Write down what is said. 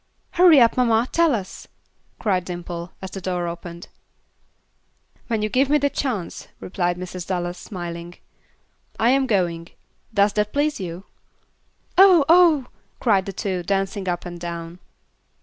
"Hurry up, mamma, tell us," cried Dimple, as the door opened. "When you give me a chance," replied Mrs. Dallas, smiling. "I am going. Does that please you?" "Oh! oh!" cried the two, dancing up and down.